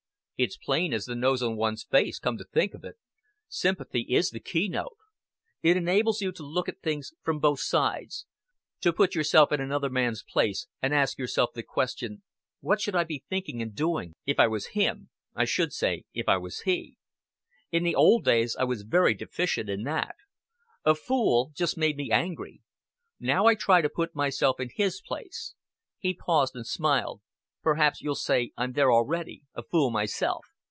"It's plain as the nose on one's face, come to think of it. Sympathy is the key note. It enables you to look at things from both sides to put yourself in another man's place, and ask yourself the question, What should I be thinking and doing, if I was him? I should say if I was he. In the old days I was very deficient in that. A fool just made me angry. Now I try to put myself in his place." He paused, and smiled. "Perhaps you'll say I'm there already a fool myself."